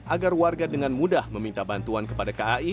agar warga dengan mudah meminta bantuan kepada kai